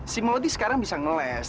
si muloti sekarang bisa ngeles